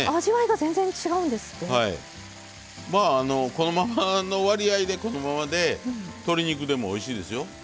このままの割合でこのままで鶏肉でもおいしいですよ。